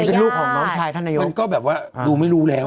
พี่โมดรู้สึกไหมพี่โมดรู้สึกไหมพี่โมดรู้สึกไหมพี่โมดรู้สึกไหม